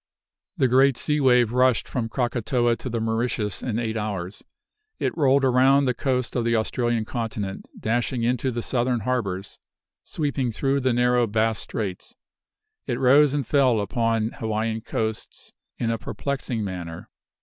The great sea wave rushed from Krakatoa to the Mauritius in eight hours. It rolled around the coasts of the Australian continent, dashing into the southern harbors, sweeping through the narrow Bass Straits. It rose and fell upon Hawaiian coasts in a perplexing manner.